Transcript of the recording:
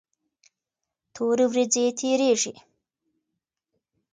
تورې ورېځې تیریږي.